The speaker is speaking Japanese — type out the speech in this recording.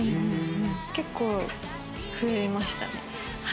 結構増えましたね。